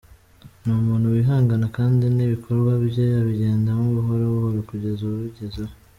Ni umuntu wihangana kandi n’ibikorwa bye abigendamo buhoro buhoro kugeza abigezeho.